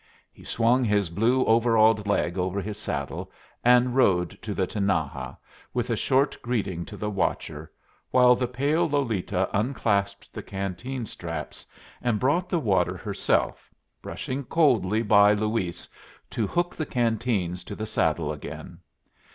He swung his blue overalled leg over his saddle and rode to the Tinaja, with a short greeting to the watcher, while the pale Lolita unclasped the canteen straps and brought the water herself, brushing coldly by Luis to hook the canteens to the saddle again.